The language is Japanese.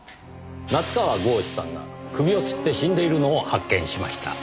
夏河郷士さんが首をつって死んでいるのを発見しました。